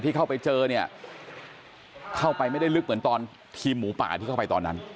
เข้าไปเจอเนี่ยเข้าไปไม่ได้ลึกเหมือนตอนทีมหมูป่าที่เข้าไปตอนนั้น